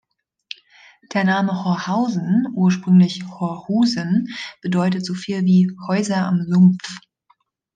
Der Name Horhausen, ursprünglich "Horhusen" bedeutet so viel wie „Häuser am Sumpf“.